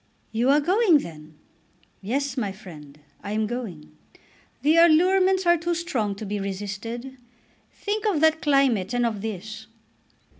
"You are going then?" "Yes, my friend; I am going. The allurements are too strong to be resisted. Think of that climate and of this."